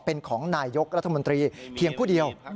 เป็นของนายยกรัฐมนตรีเพียงผู้เดียว